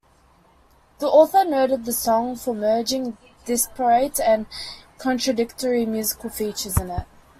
The author noted the song for merging disparate and contradictory musical features in it.